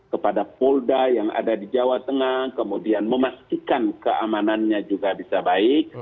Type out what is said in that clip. kepada polda yang ada di jawa tengah kemudian memastikan keamanannya juga bisa baik